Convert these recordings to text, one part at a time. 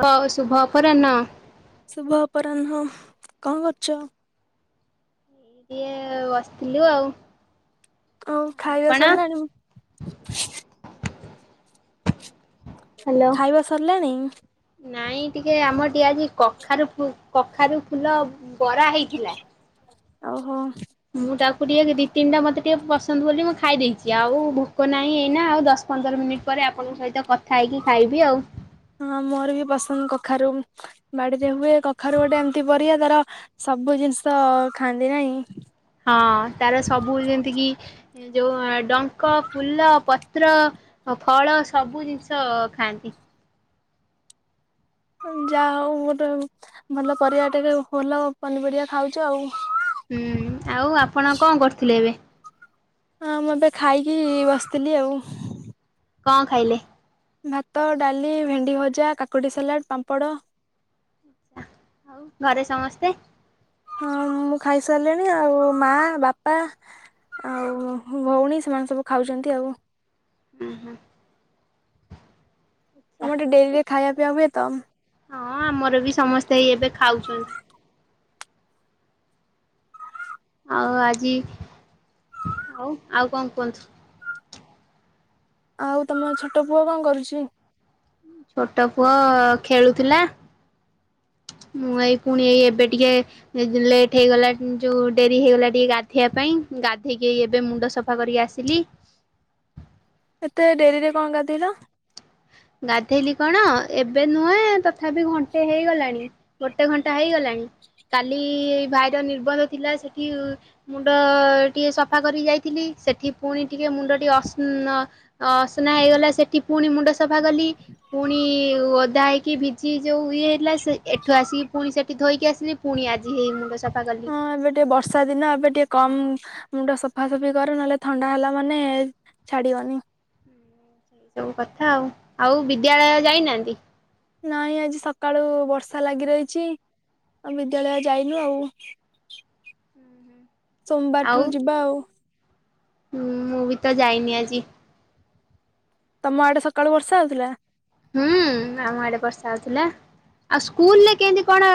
ବ ଶୁଭ ଅପରାହ୍ନ। ଶୁଭ ଅପରାହ୍ନ। କଁ କରୁଛ? ଇଏ ବସିଥିଲୁ ଆଉ। ଆଉ ଖାଇବା ଆପଣ? ସରିଲାଣି? ଖାଇବା ସରିଲାଣି? ନାଇଁ ଟିକେ ଆମର ଟିକେ ଆଜି କଖାରୁ କଖାରୁ ଫୁଲ ବରା ହେଇଥିଲା। ଆଉ ହ। ମୁଁ ତାକୁ ଟିକେ ଦି ତିନିଟା ମତେ ଟିକେ ପସନ୍ଦ ବୋଲି ମୁଁ ଖାଇ ଦେଇଚି ଆଉ ଭୋକ ନାହିଁ ଏଇନା ଆଉ ଦଶ ପନ୍ଦର ମିନିଟ୍ ପରେ ଆପଣଙ୍କ ସହିତ କଥା ହେଇକି ଖାଇବି ଆଉ। ହଁ ମୋର ବି ପସନ୍ଦ୍ କଖାରୁ। ବାଡିରେ ହୁଏ କଖାରୁ ଗୋଟେ ଏମିତି ପରିବା ତାର ସବୁ ଜିନିଷ ଖାଆନ୍ତି ନାଇଁ? ହଁ ତାର ସବୁ ଯେମିତିକି ଯଉ ଡଙ୍କ ଫୁଲ ପତ୍ର ଫଳ ସବୁ ଜିନିଷ ଖାଆନ୍ତି। ଯାହା ହଉ [unintelligible] ଭଲ ପରିବା ଟିକେ ଭଲ ପନିପରିବା ଖାଉଚ ଆଉ। ଉଁ ଆଉ ଆପଣ କଣ କରୁଥିଲେ ଏବେ? ହଁ ମୁଁ ଏବେ ଖାଇକି ବସିଥିଲି ଆଉ। କଁ ଖାଇଲେ? ଭାତ ଡାଲି ଭେଣ୍ଡି ଭଜା କାକୁଡ଼ି ସାଲାଡ଼ ପାମ୍ପଡ଼। ଆଉ ଘରେ ସମସ୍ତେ? ହଁ ମୁଁ ଖାଇସାରିଲିଣି ଆଉ ମା ବାପା ଆଉ ଭଉଣୀ ସେମାନେ ସବୁ ଖାଉଛନ୍ତି ଆଉ। ଉଁ ହୁଁ। ଆଛା। ଆମର ଟିକେ ଡେରିରେ ଖାଇବାପିଇବା ହୁଏ ତ। ହଁ ଆମର ବି ସମସ୍ତେ ଏଇ ଏବେ ଖାଉଛନ୍ତି। ଆଉ ଆଜି- ଆଉ ଆଉ କଣ କୁଅନ୍ତୁ? ଆଉ ତମ ଛଟ ପୁଅ କଣ କରୁଚି? ଛୋଟ ପୁଅ ଖେଳୁଥିଲା ମୁଁ ଏଇ ପୁଣି ଏଇ ଏବେ ଟିକେ ଲେଟ୍ ହେଇଗଲା ଯୋଉ ଡେରି ହେଇଗଲା ଟିକେ ଗାଧେଇବା ପାଇଁ ଗାଧେଇକି ଏବେ ମୁଣ୍ଡ ସ ସଫା କରିକି ଆସିଲି। ଏତେ ଡେରିରେ କଁ ଗଧେଇଲ? ଗାଧେଇଲି କଣ ଏବେ ନୁହେଁ ତଥାପି ଘଣ୍ଟେ ହେଇଗଲାଣି ଗୋଟ ଟେ ଘଣ୍ଟା ହେଇଗଲାଣି କାଲି-ଭାଇର ନିର୍ବନ୍ଧ ଥିଲା ସେଠି ମୁଣ୍ଡ ଟିକେ ସଫା କରି ଯାଇଥିଲି ସେଠି ପୁଣି ଟିକେ ମୁଣ୍ଡ ଟିକେ ଅସ୍ ନଅ ଅ ଅସନା ହେଇଗଲା ସେଠି ପୁଣି ମୁଣ୍ଡ ସଫା କଲି ପୁଣି ଓଦା ହେଇକି ଭିଜି ଯୋଉ ଇଏ ହେଇଲା ସେ ଏଠୁ ଆସିକି ପୁଣି ସେଠି ଧୋଇକି ଆସିଲି ପୁଣି ଆଜି ହେଇ ମୁଣ୍ଡ ସଫା କଲି। ହଁ ଏବେ ଟିକେ ବର୍ଷା ଦିନ ଏବେ ଟିକେ କମ୍ ମୁଣ୍ଡ ସଫାସଫି କର ନହେଲେ ଥଣ୍ଡା ହେଲା ମାନେ ଛାଡିବନି। ହଁ ସବୁ କଥା ଆଉ ଆଉ ବିଦ୍ୟାଳୟ ଯାଇନାହାନ୍ତି? ନାଇଁ ଆଜି ସକାଳୁ ବର୍ଷା ଲାଗି ରହିଛି ଆଉ ବିଦ୍ୟାଳୟ ଯାଇନୁ ଆଉ। ସୋମବାର ଆଉ ଠାରୁ ଯିବା ଆଉ। ମୁଁ ବି ତ ଯାଇନି ଆଜି। ତମ ଆଡେ ସକାଳୁ ବର୍ଷା ହଉଥିଲା? ହୁଁ ଆମ ଆଡେ ବର୍ଷା ହଉଥିଲା। ଆଉ ସ୍କୁଲରେ କେମିତି କଣ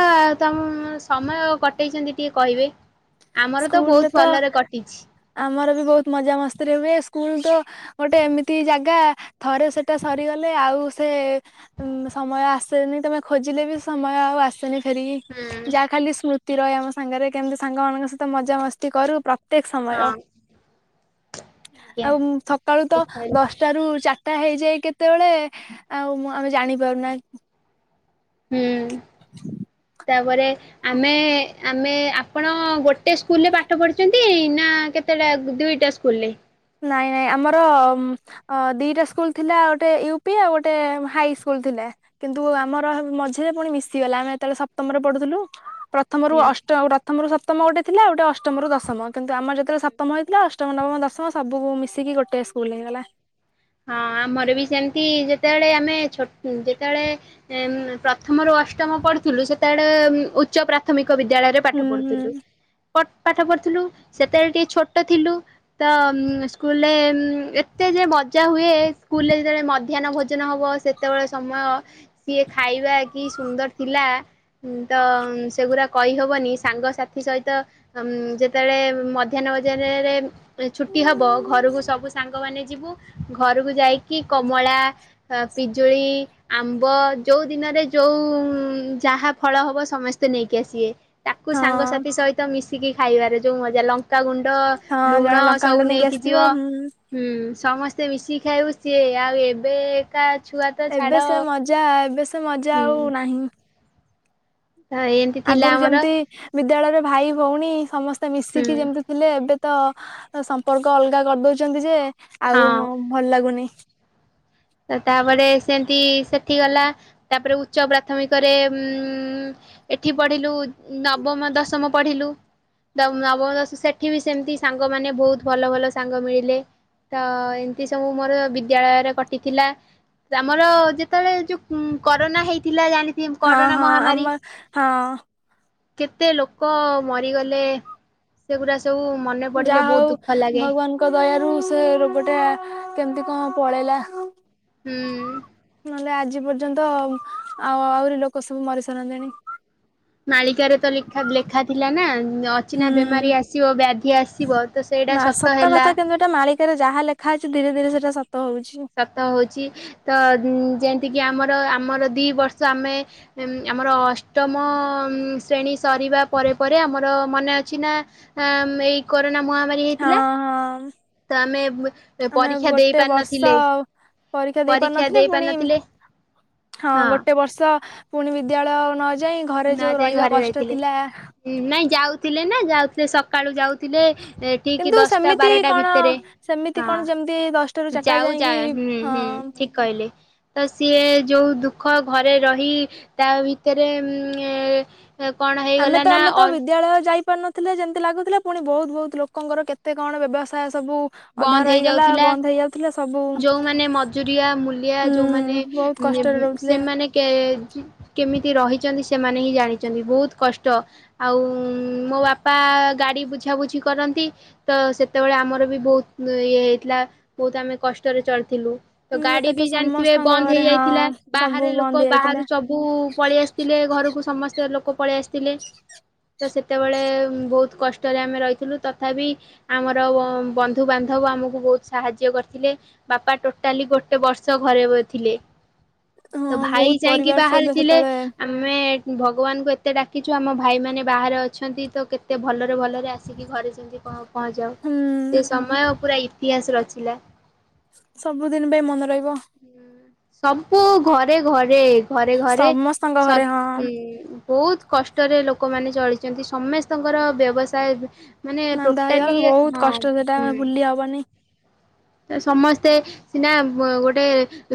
ତମ-ସମୟ କଟେଇଛନ୍ତି ଟିକେ କହିବେ? ଆମର ସ୍କୁଲ୍ ବହୁତ ରେ ତ ଭଲରେ କଟିଛି। ଆମର ବି ବହୁତ୍ ମଜା ମସ୍ତିରେ ହୁଏ ସ୍କୁଲ୍ ତ ଗୋଟେ ଏମିତି ଜାଗା ଥରେ ସେଟା ସରିଗଲେ ଆଉ ସେ ଉ ସମୟ ଆସେନି ତମେ ଖୋଜିଲେ ବି ସମୟ ଆଉ ଆସେନି। ଫେରିକି ହୁଁ ଯାହା ଖାଲି ସ୍ମୃତି ରହେ ଆମ ସାଙ୍ଗେରେ କେମିତି ସାଙ୍ଗ ମାନଙ୍କ ସହିତ ମଜାମସ୍ତି କରୁ ପ୍ର ତ୍ୟେକ୍ ସମୟ, ହଁ ଆଜ୍ଞା ଆଉ ସକାଳୁ ତ ଠିକ୍ କହିଲେ। ଦଶଟା ରୁ ଚାର ଟା ହେଇଯାଏ କେତେବେଳେ ଆଉ ମୁଁ ଆମେ ଜାଣିପାରୁନା। ତା ପରେ। ଆମେ ଆମେ ଆପଣ ଗୋଟେ ସ୍କୁଲରେ ପାଠ ପଢିଛନ୍ତି ନାଁ କେତେ? କେତଟା ଦୁଇଟା ସ୍କୁଲରେ। ନାଇଁ ନାଇଁ ଆମର ମଁ ଅଁ ଦିଟା ସ୍କୁଲ ଥିଲା ଗୋଟେ ୟୁ ପି ଆଉଁ ଗୋଟେ ହାଇ ସ୍କୁଲ ଥିଲା। କିନ୍ତୁ ଆମର ସବୁ ମଝିରେ ପୁଣି ମିଶିଗଲା ଆମେ ଯେତେବେଳେ ସପ୍ତମରେ ପଢୁଥିଲୁ। ପ୍ରଥମରୁ ହୁଁ ହଁ ଅଷ୍ଟ ପ୍ରଥମରୁ ସପ୍ତମ ଗୋଟେ ଥିଲା ଗୋଟେ ଅଷ୍ଟମରୁ ଦଶମ କିନ୍ତୁ ଆମର ଯେତବେଳେ ସପ୍ତମ ହେଇଥିଲା ଅଷ୍ଟ ଅଷ୍ଟମ ନବମ ଦଶମ ସବୁ ମିଶିକି ଗୋଟେ ସ୍କୁଲ ହେଇଗଲା। ହଁ ଆମର ବି ସେମିତି ଯେତେବେଳେ ଆମେ ଛୋଟ ଯେତେବେଳେ ଏଁ ମଁ ପ୍ରଥମରୁୁ ଅଷ୍ଟମ ପଢୁଥିଲୁ ସେତେବେଳେ ଉଁ ଉଚ୍ଚ ପ୍ରାର୍ଥ ପ୍ରାଥମିକ ବିଦ୍ୟାଳୟରେ ପାଠ ହୁଁ ପଢୁଥିଲୁ ହୁଁ। ପାଠ ପଢୁଥିଲୁ ସେତେବେଳେ ଟିକେ ଛୋଟ ଥିଲୁ। ତ ଉଁ ସ୍କୁଲରେ ଏତେ ଯେ ବ ପଚାର ହୁଏ ସ୍କୁଲରେ ଯେତେବେଳେ ମଧ୍ୟାହ୍ନ ଭୋଜନ ହେବ ସେତେବେଳେ ସମୟ ସିଏ ଖାଇବା କି ସୁନ୍ଦର ଥିଲା। ଉଁ ଦ ମଁ ସେଗୁଡା କହିହବନି ସାଙ୍ଗସାଥି ସହିତ ଆଁମଁ ଯେତେବେଳେ ମଧ୍ୟାହ୍ନ ଭୋଜନରେ ରେ ଏ ଛୁଟି ହବ ଘରକୁ ସବୁ ସାଙ୍ଗମାନେ ଯିବୁ ଘରକୁ ଯାଇକି କମଳା ଆଁ ପିଜୁଳି ଆମ୍ବ ଯୋଉଁ ଦିନରେ ଯୋଉଁ ଯାହା ଫଳ ହବ ସମସ୍ତେ ନେଇକି ଆସିବେ। ତାକୁ ହଁ ସାଙ୍ଗସାଥି ସହିତ ମିଶିକି ଖାଇବାରେ ଯୋଉଁ ମଜା। ଲଙ୍କାଗୁଣ୍ଡ ହଁ ଲୁଣ ଜଣେ ସବୁ ଲଙ୍କାଗୁଣ୍ଡ ନେଇକି ଆସିଥିବ ଯିବ। ହୁଁ ହୁଁ ସମସ୍ତେ ମିଶିକି ଖାଇବୁ। ସିଏ ଆଉ ଏବେ ତା ଛୁଆଁ ତ ଏବେ ଛାଡ। ସେ ମଜା ଏବେ ସେ ମଜା ଆଉ ହୁଁ। ନାହିଁ। ଧାଇନି ଆଗରୁ ଯେମିତି ବିଦ୍ୟାଳୟରେ ଭାଇ ଭଉଣୀ ସମସ୍ତେ ମିଶିକି ହୁଁ ଯେମିତି ଥିଲେ ଏବେ ତ ସମ୍ପର୍କ ଅଲଗା କରିଦଉଛନ୍ତି ଯେ ହଁ ଆଉଁ ଭଲ ଲାଗୁନି। ତାପରେ ସେମିତି ସେଠି ଗଲା ତାପରେ ଉଚ୍ଚ ପ୍ରାଥମିକରେ। ଉଁ ମଁ ଏଠିଁ ପଢିଲୁ ନବମ ଦଶମ ପଢିଲୁ। ତ ନବମଁ ସେଠିଁ ବି ସେମିତି ସାଙ୍ଗମାନେ ବହୁତ ଭଲ ଭଲ ସାଙ୍ଗ ମିଳିଲେ। ତ ଏମିତି ସବୁ ମୋର ବିଦ୍ୟାଳୟରେ କଥା। ବିତିଥିଲା ଆମର ଯେତେବେଳେ ଯୋଉଁ କରୋନା ହେଇଥିଲା। ଜାଣିଥ କି ମଁ ହଁ କରୋନା ହଁ ମହାମାରୀ। ଆମ ହଁ କେତେ ଲୋକ ମରିଗଲେ ସେଗୁଡ଼ା ସବୁ ମନେ ପଡ଼ିଲେ ବହୁତ ଦୁଃଖ ଲାଗେ। ଠାକୁର ଙ୍କ ଦୟାରୁ ସେ ରୋଗଟା କେମିତି କଣ ପଳେଇଲା। ହୁଁ। ନହେଲେ ଆଜି ପର୍ଯ୍ୟନ୍ତ ଆଉ ଆହୁରି ଲୋକ ସବୁ ମରିସାରନ୍ତେଣି। ମାଳିକାରେ ତ ଲେଖାଁ ଲେଖାଥିଲା। ନାଁ ନଅ ହୁଁ ଅଚିନ୍ହା ବେମାରୀ ଆସିବ ବ୍ୟାଧି ଆସିବ ତ ସେଇଟା ସତ ହେଲା। ସେ ମାଳିକାରେ ଯାହା ଲେଖା ଅଛି ଧୀରେ ଧୀରେ ସେଟା ସତ ହଉଛି। ସତ ହେଉଛି। ତ ଯେମିତିକି ଆମର ଆମର ଦିଇ ବର୍ଷ ଆମେ ଏମଁ ଆମର ଅଷ୍ଟମ ଶ୍ରେଣୀ ସରିବା ପରେ ପରେ ଆମର ମନେ ଅଛି ନାଁ। ଆଁ ଏଇ କୋରୋନା ମହାମାରୀ ହଁ ହେଇଥିଲା। ହଁ ତ ଆମେ ଆମେ ପରୀକ୍ଷା ଦେଇ ଗୋଟେ ବର୍ଷ ପାରିନଥିଲେ ପରୀକ୍ଷା ଦେଇପାରି ନଥିଲେ। ଦେଇ ପୁଣି ପାରିନଥିଲେ ହଁ ଗୋଟେ ବର୍ଷ ପୁଣି ବିଦ୍ୟାଳୟ ନଯାଇ ଘରେ ଯୋଉ ରହିବା କଷ୍ଟ ଥିଲା। ହଁ ନାଇଁ ଯାଉଥିଲେ ନା ଯାଉଥିଲେ ସ ସକାଳୁ ଯାଉଥିଲେ ଠିକ କିନ୍ତୁ ଦଶଟା ସେମିତି ବାରଟା କଣ ଭିତରେ ସେମିତି ହଁ। କଣ ଯେମିତି ଦଶଟାରୁ ଚାରିଟା ଯାଉ ଯା ଯାଇକି ହୁଁ ହୁଁ ହଁ ଠିକ। କହିଲେ ତ ସିଏ ଯୋଉ ଦୁଃଖ ଘରେ ରହି ତା ଭିତରେ ଉଁ ଏଁ ଆମେ ତ ଆମେ ତ ବିଦ୍ୟାଳୟ ଯାଇପାରୁନୁ ଥିଲେ ଯେମିତି ଲାଗୁଥିଲା ପୁଣି ବହୁତ ବହୁତ ଲୋକଙ୍କର କେତେ କଣ ବ୍ୟବସାୟ ସବୁ ଅଧା ବନ୍ଦ ରହିଗଲା ହେଇଯାଉଥିଲା। ବନ୍ଦ ହେଇଯାଉଥିଲା ସବୁ ଯୋଉମାନେ ମଜୁରିଆ ମୂଲିଆ ହୁଁ ଯୋଉମାନେ ବହୁତ କଷ୍ଟରେ ଉଁ ରହୁଥିଲେ। ସେମାନେ କେ କେମିତି ରହିଛନ୍ତି ସେମାନେ ହିଁ ଜାଣିଛନ୍ତି ବହୁତ କଷ୍ଟ। ଆଉ ମୋ ବାପା ଗାଡି ବୁଝାବୁଝି କରନ୍ତି ତ ସେତେବେଳେ ଆମର ବି ବହୁତ ଇଏ ହେଇଥିଲା ବହୁତ ଆମେ କଷ୍ଟରେ ଚଳିଥିଲୁ। ତ ହୁଁ ଏଟା ଗାଡି ବି ଜାଣିଥିବେ ସମସ୍ତଙ୍କ ବନ୍ଦ ଘରେ ହଁ ହେଇଯାଇଥିଲା ସବୁ ବାହାରେ ବନ୍ଦ ଲୋକ ହେଇଯାଇଥିଲା। ବାହାରୁ ସବୁ ସବୁ ପଳେଇ ଆସିଥିଲେ ଘରକୁ ସମସ୍ତେ ଲୋକ ପଳେଇ ଆସିଥିଲେ। ତ ସେତେବେଳେ ବହୁତ କଷ୍ଟରେ ଆମେ ରହିଥିଲୁ ତଥାପି ଆମର ବ ବନ୍ଧୁବାନ୍ଧବ ଆମକୁ ବହୁତ ସାହାଯ୍ୟ କରିଥିଲେ। ବାପା ଟୋଟାଲି ଗୋଟେ ବର୍ଷ ବ ଘରେ ଥିଲେ। ତ ହଁ ଭାଇ ବହୁତ ଯାଇକି ପରିବାର ସେବେ ବାହାରେଥିଲେ। ସେତେବେଳେ ଆମେ ଭଗବାନଙ୍କୁ ଏତେ ଡାକିଛୁ ଆମ ଭାଇମାନେ ବାହାରେ ଅଛନ୍ତି ତ କେତେ ଭଲରେ ଭଲରେ ଆସି କି ଘରେ ଯେମିତି ପ ପହଞ୍ଚିଯାଉ। ହୁଁ। ସେ ସମୟ ପୁରା ଇତିହାସ ରଚିଲା। ସବୁଦିନ ପାଇଁ ମନେ ରହିବ। ହୁଁ ସବୁ ଘରେ ଘରେ ଘରେ ଘରେ ସମସ୍ତଙ୍କ ସ ଘରେ ହଁ ହୁଁ। ବହୁତ କଷ୍ଟରେ ଲୋକମାନେ ଚଳିଛନ୍ତି ସମସ୍ତେଙ୍କର ବ୍ୟବସାୟ ମାନେ ଟୋଟାଲି ହଁ। ଟା ହୁଁ ଭୁଲି ହବନି। ତ ସମସ୍ତେ ସିନା ବ ଗୋଟେ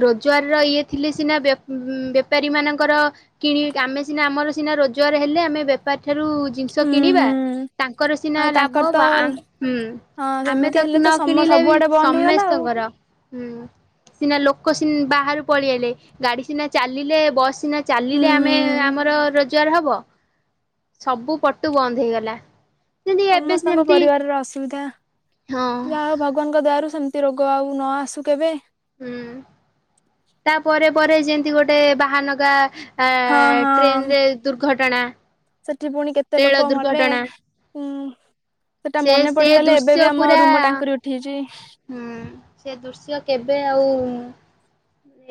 ରୋଜଗାରର ଇଏ ଥିଲେ ସିନା ବେ ବେପାରୀ ମାନଙ୍କର କିଣି ଆମେ ସିନା ଆମର ସିନା ରୋଜଗାର ହେଲେ ଆମେ ବେପାରୀ ଠାରୁ ଜୀ ଜିନିଷ ହୁଁ କିଣିବା ହୁଁ। ତାଙ୍କର ସିନା ଆଉ ତାଙ୍କର ଲାଭ ତ ଆ ହଁ ହୁଁ। ଆମେ ସେମିତି ତ ହେଲେ ନ ସମ କିଣିଲେ ବି ସବୁଆଡେ ବନ୍ଦ ହେଇଗଲା ଆଉ। ସମସ୍ତେଙ୍କର ହୁଁ ସିନା ଲୋକ ସିନା ବାହାରୁ ପଳେଇଆଲେ ଗାଡି ସିନା ଚାଲିଲେ ବସ୍ ସିନା ହୁଁ ଚାଲିଲେ ଆମେ ହୁଁ। ଆମର ରୋଜଗାର ହବ ସବୁ ପଟୁ ବନ୍ଦ ହେଇଗଲା। ଯେମିତି ଏବେ ସମସ୍ତଙ୍କ ଯେମିତି ପରିବାରର ଅସୁବିଧା ହଁ ଯାହା ହଉ ଭଗବାନଙ୍କ ଦୟାରୁ ସେମ୍ ସେମତି ରୋଗ ଆଉ ନ ଆସୁ କେବେ। ହୁଁ ତା ପରେ ପରେ ଯେମିତି ଗୋଟେ ବାହାନଗା ହଁ ଏଁ ହଁ ଟ୍ରେନରେ ଦୁର୍ଘଟଣା। ସେଠି ପୁଣି କେତେ ରେଳ ଲୋକ ମଲେ ଦୁର୍ଘଟଣା ଉଁ ସେଟା ସେ ମନେ ସେ ପଡିଗଲେ ଏବେ ଦୃଶ୍ୟ ବି ଆମ ପୁରା ରୁମ ଟାଙ୍କୁରି ଉଠିଛି। ହୁଁ ସେ ଦୃଶ୍ୟ କେବେ ଆଉ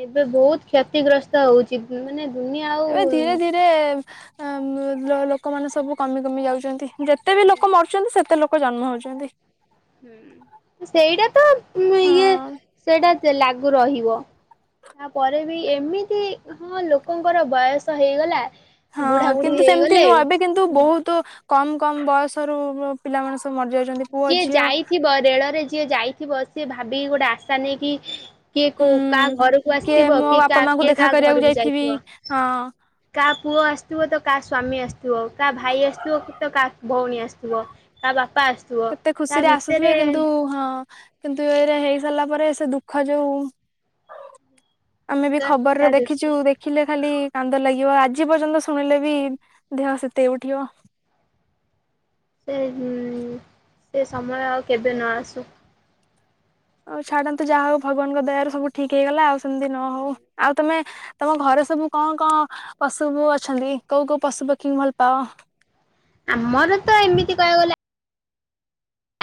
ଏବେ ବହୁତ କ୍ଷତିଗ୍ରସ୍ତ ହଉଛି ମାନେ ଦୁନିଆ ଆଉ ଆମୁ ଲୋକମାନେ ସବୁ କମି କମି ଯାଉଛନ୍ତି ଯେତେ ବି ଲୋକ ମରୁଛନ୍ତି ସେତେ ଲୋକ ଜନ୍ମ ହଉଛନ୍ତି। ହୁଁ ସେଇଟା ତ ଇଏ ହଁ ସେଇଟା ଲାଗୁ ରହିବ। ତାପରେ ବି ଏମିତି ହଁ ଲୋକଙ୍କର ବୟସ ହେଇଗଲା। ବୁଢା ହଁ ବୁଢୀ କିନ୍ତୁ ସେମିତି ହେଇଗଲେ ନୁହ ଏବେ କିନ୍ତୁ ବହୁତ କମ କମ ବୟସରୁ ପିଲାମାନେ ସବୁ ମରିଯାଉଛନ୍ତି। ପୁଅ ଯିଏ ଝିଅ ଯାଇଥିବ ରେଳରେ ଯିଏ ଯାଇଥିବ ସିଏ ଭାବିକି ଗୋଟେ ଆଶା ନେଇକି କିଏ ହୁଁ କୋଉ କାହା ଘରକୁ କିଏ ଆସିଥିବ ମୋ କି ବାପା କିଏ ମାଙ୍କୁ କିଏ ଦେଖା କାହା କରିବାକୁ ଘରକୁ ଯାଇଥିବି ଯାଇଥିବ। ହଁ। କାହା ପୁଅ ଆସିଥିବ ତ କାହା ସ୍ୱାମୀ ଆସିଥିବ କାହା ଭାଇ ଆସଥିବ ତ କାହା ଭଉଣୀ ଆସୁଥିବ। କା ବାପା ଆସ କେତେ ଖୁସିରେ ଆସୁଥିବେ କିନ୍ତୁ ହଁ। କିନ୍ତୁ ଏଇରା ହେଇ ସାରିଲା ପରେ ସେ ଦୁଃଖ ଯଉ ଆମେ ବି ଖବରରେ କଟା ଦେଖିଚୁ ଦୃଶ୍ୟ ଦେ ଦେଖିଲେ ଖାଲି କାନ୍ଦ ଲାଗିବ ଆଜି ପର୍ଯ୍ୟନ୍ତ ଶୁଣିଲେ ବି ଦେହ ସିତେଇ ଉଠିବ। ସେ ଉଁ ସେ ସମୟ ଆଉ କେବେ ନ ଆସୁ। ଆଉ ଛାଡନ୍ତୁ ଯାହା ହଉ ଭଗବାନଙ୍କ ଦୟାରୁ ସବୁ ଠିକ ହେଇଗଲା ଆଉ ସେମିତି ନ ହଉ ଆଉ ତମେ ତମ ଘରେ ସବୁ କଣ କଣ ପଶୁ ଅଛନ୍ତି କୋଉ କୋଉ ପଶୁ ପକ୍ଷୀ ପକ୍ଷୀ ଙ୍କୁ ଭଲ ପାଅ? ଆମର ତ ଏମିତି କହିବାକୁ ଗଲେ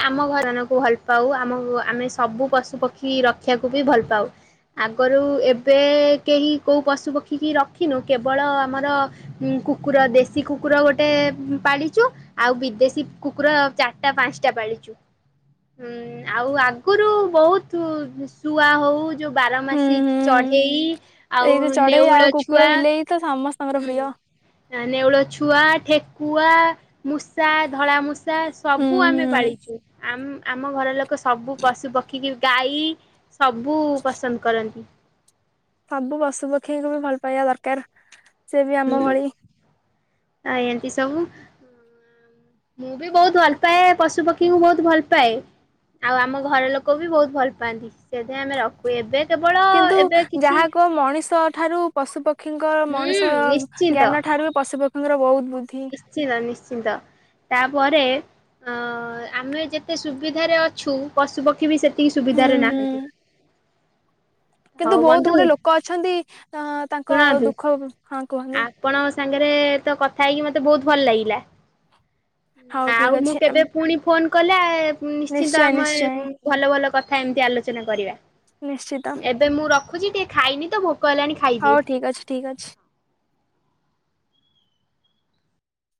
ଆମ ଘରାନକୁ ଭଲ ପାଉ ଆମ ଆମେ ସବୁ ପଶୁ ପକ୍ଷୀ ରକ୍ଷିବାକୁ ବି ଭଲ ପାଉ ଆ ଆଗରୁ ଏବେ କେହି କେଉଁ ପଶୁ ପକ୍ଷୀ କିି ରଖିନୁ କେବଳ ଆମର ଉଁ କୁକୁର ଦେଶୀ କୁକୁର ଗୋଟେ ପାଳିଚୁ। ଆଉ ବିଦେଶୀ କୁକୁର ଚାରିଟା ପାଞ୍ଚ ଟା ପାଳିଛୁଁ ହୁଁ ଆଉ ଆଗରୁ ବହୁତ ଶୁଆ ହଉ ଯୋଉ ହୁଁ ବାରମାସୀ ହୁଁ ଚଢେଇ ଆଉ ଏଇ ଯୋଉ ଚଢେଇ ଆଉ ନେଉଳ କୁକୁର ଛୁଆ। ବିଲେଇ ତ ସମସ୍ତେ ହୁଁ ନେଉଳ ଛୁଆ ଠେକୁଆ ମୂଷା ଧଳା ମୂଷା ହୁଁ ସବୁ ଆମେ ହୁଁ ପାଳିଛୁ ଆମ ଆମ ଘର ଲୋକ ସବୁ ପଶୁ ପକ୍ଷୀ କି ଗାଈ ସବୁ ପସନ୍ଦ କରନ୍ତି। ସବୁ ପଶୁ ପକ୍ଷୀ କୁ ବି ଭଲ ପାଇବା ଦରକାର ସିଏ ବି ଆମ ହୁଁ ଭଳି ଆ ଏତି ସବୁ। ମୁଁ ବି ବହୁତ ଭଲ ପାଏ ପଶୁପକ୍ଷୀଙ୍କୁ ବହୁତ ଭଲ ପାଏ। ଆଉ ଆମ ଘର ଲୋକ ବି ବହୁତ ଭଲ ପାଆନ୍ତି ସେଥିଇଁ ଆମେ ରଖ ଏବେ କେବଳ କିନ୍ତୁ ଏବେ କିଛି ଯାହା କୁହ ମଣିଷ ଠାରୁ ପଶୁ ପକ୍ଷୀଙ୍କ ହୁଁ ମଣିଷ ନିଶ୍ଚିନ୍ତ ଜ୍ଞାନ ଠାରୁ ବି ପଶୁପକ୍ଷୀଙ୍କର ବହୁତ ବୁଦ୍ଧି। ନିଛିନ୍ତ ନିଛିନ୍ତ। ତାପରେ ଅ ଆମେ ଯେତେ ସୁବିଧାରେ ଅଛୁ ପଶୁପକ୍ଷୀ ବି ସେତ ତି ହୁଁ ସୁଭିଦାରେ ନା ହୁଁ କିନ୍ତୁ ବହୁତ ବନ୍ଧୁ ଗୁଡେ ଲୋକ ଅଛନ୍ତି ଅ ତାଙ୍କ ଶୁଣନ୍ତୁ ଦୁଃଖ ହା କୁହନ୍ତୁ? ଆପଣଙ୍କ ସାଙ୍ଗରେ ତ କଥା ହେଇକି ମତେ ବହୁତ ଭଲ ଲାଗିଲା। ହଉ ଆଉ ଠିକ ମୁଁ ଅଛି କେବେ ପୁଣି ଫୋନ କଲେ ନିଶ୍ଚିନ୍ତ ନିଶ୍ଚୟ ଆମେ ନିଶ୍ଚୟ ଭଲ ଭଲ କଥା ଏମିତି ଆଲୋଚନା କରିବା ନିଶ୍ଚିତ ଏବେ ଏବେ ମୁଁ ରଖୁଛି ଟିକେ ଖାଇନି ତ ଭୋକ ହେଲାଣି ଖାଇଦିଏ। ହଉ ଠିକ୍ ଅଛି ଠିକ୍ ଅଛି।